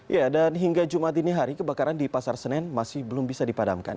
ya dan hingga jumat ini hari kebakaran di pasar senen masih belum bisa dipadamkan